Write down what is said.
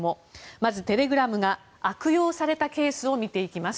まずテレグラムが悪用されたケースを見ていきます。